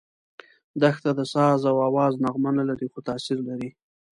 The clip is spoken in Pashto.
دښته د ساز او آواز نغمه نه لري، خو تاثیر لري.